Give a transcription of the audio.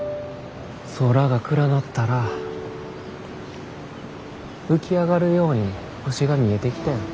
空が暗なったら浮き上がるように星が見えてきてん。